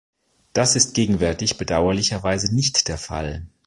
Das ist gegenwärtig bedauerlicherweise nicht der Fall.